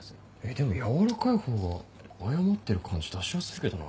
でも軟らかいほうが謝ってる感じ出しやすいけどな。